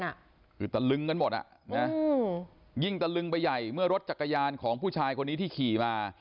คือตะลึงกันหมดอ่ะนะยิ่งตะลึงไปใหญ่เมื่อรถจักรยานของผู้ชายคนนี้ที่ขี่มา